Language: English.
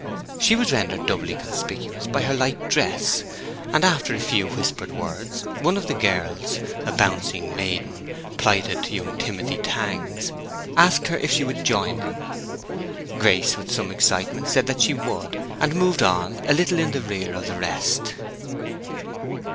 She was rendered doubly conspicuous by her light dress, and after a few whispered words, one of the girls—a bouncing maiden, plighted to young Timothy Tangs—asked her if she would join in. Grace, with some excitement, said that she would, and moved on a little in the rear of the rest.